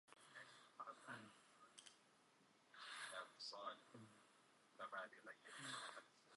منی بێخەبەری بۆ بە درۆ پێوە کرد؟